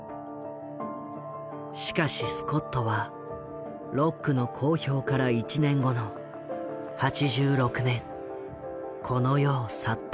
しかしスコットはロックの公表から１年後の８６年この世を去った。